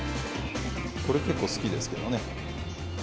これ、結構好きですけどね。